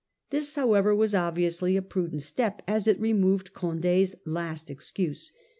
This however was obviously a prudent step, as it removed Condd's last excuse.